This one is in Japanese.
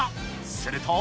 すると。